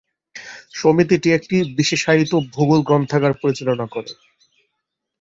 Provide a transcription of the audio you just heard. সমিতিটি একটি বিশেষায়িত ভূগোল গ্রন্থাগার পরিচালনা করে।